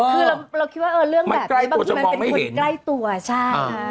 คือเราคิดว่าเรื่องแบบนี้บางทีมันเป็นคนใกล้ตัวใช่ค่ะ